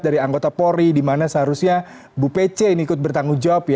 dari anggota polri dimana seharusnya bu pece yang ikut bertanggung jawab